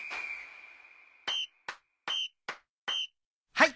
はい！